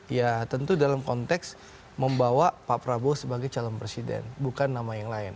ya tentu dalam konteks membawa pak prabowo sebagai calon presiden bukan nama yang lain